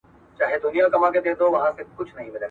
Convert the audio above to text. زه بايد ليکنه وکړم!؟